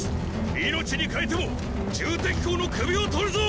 命にかえても戎公の首を取るぞ！